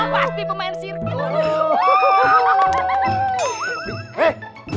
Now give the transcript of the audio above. pak tipe main sirko